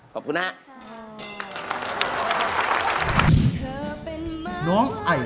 ขอบคุณค่ะ